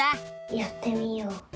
やってみよう。